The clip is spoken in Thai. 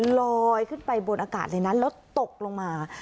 ลอยขึ้นไปบนอากาศเลยนะแล้วตกลงมา